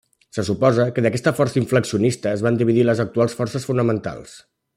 Se suposa que d'aquesta força inflacionista es van dividir les actuals forces fonamentals.